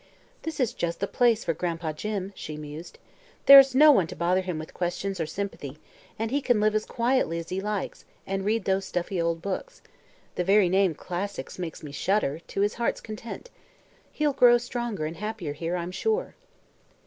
"This is just the place for Gran'pa Jim," she mused. "There's no one to bother him with questions or sympathy and he can live as quietly as he likes and read those stuffy old books the very name 'classics' makes me shudder to his heart's content. He'll grow stronger and happier here, I'm sure."